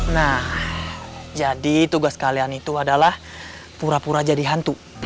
nah jadi tugas kalian itu adalah pura pura jadi hantu